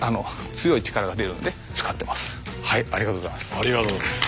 これありがとうございます。